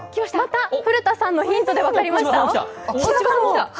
古田さんのヒントで分かりました！